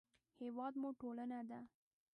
هېواد مو ټولنه ده